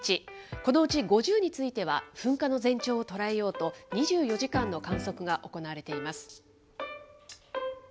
このうち５０については、噴火の前兆を捉えようと、２４時間の観測が行われています。